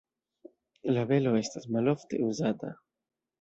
La belo estas malofte uzata.